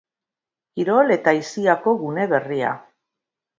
Kirol eta aisiako gune berria.